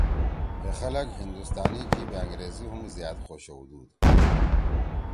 ہے خلگ ہندوستانی جیِب أنگریزی ہُم زیاد خوشَؤدُود